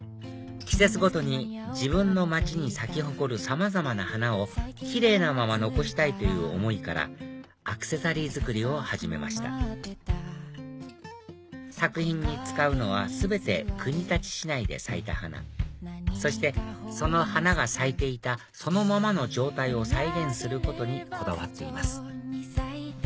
季節ごとに自分の街に咲き誇るさまざまな花をキレイなまま残したいという思いからアクセサリー作りを始めました作品に使うのは全て国立市内で咲いた花そしてその花が咲いていたそのままの状態を再現することにこだわっています